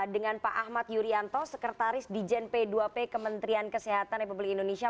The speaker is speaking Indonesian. dengan pak ahmad yuryanto sekretaris di jen p dua p kementerian kesehatan republik indonesia